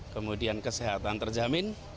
kemudian kesehatan terjamin